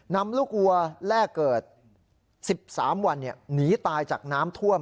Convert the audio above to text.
นำลูกวัวแลกเกิด๑๓วันหนีตายจากน้ำท่วม